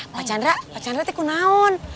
pak chandra pak chandra tuh kenaon